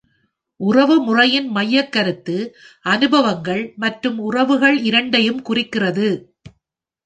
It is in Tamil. உறவுமுறையின் மையக்கருத்து அனுபவங்கள் மற்றும் உறவுகள் இரண்டையும் குறிக்கிறது.